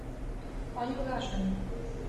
官右大臣。